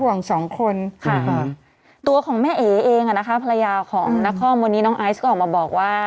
กันแรงห่วง๒คนตัวของแม่เอกเองนะคะภรรยาของนักคอมวันนี้น้องไอซ์ก็ออกมาบอกว่า